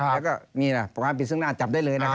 แล้วก็มีแหละประมาณว่าปิดเสื้องหน้าจับได้เลยนะครับ